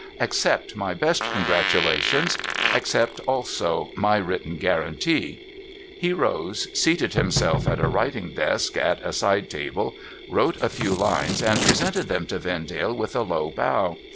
Accept my best congratulations. Accept, also, my written guarantee.' He rose ; seated himself at a writing desk at a side table, wrote 538 NO THOROUGHFARE a few lines, and presented them to Vendale with a low bow.